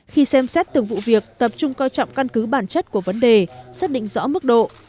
khi xem xét từng vụ việc tập trung coi trọng căn cứ bản chất của vấn đề xác định rõ mức độ